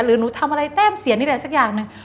หนูทำอะไรแต้มเสียนี่อะไรสักอย่างหนึ่ง